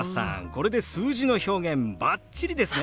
これで数字の表現バッチリですね！